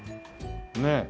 ねえ。